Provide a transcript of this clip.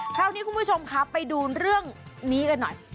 คราวนี้คุณผู้ชมครับไปดูเรื่องนี้กันหน่อย